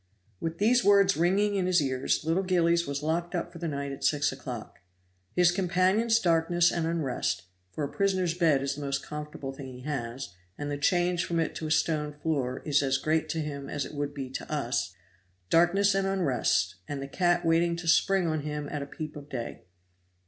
With these words ringing in his ears, little Gillies was locked up for the night at six o'clock. His companions darkness and unrest for a prisoner's bed is the most comfortable thing he has, and the change from it to a stone floor is as great to him as it would be to us darkness and unrest, and the cat waiting to spring on him at peep of day.